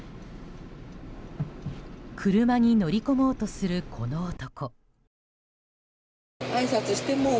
車に乗り込もうとするこの男。